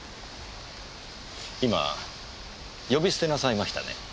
今呼び捨てなさいましたね？